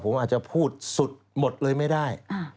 ผมอาจจะพูดสุดหมดเลยไม่ได้